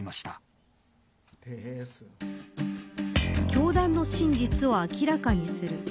教団の真実を明らかにする。